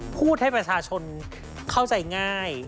พูดให้ประชาชนเข้าใจง่าย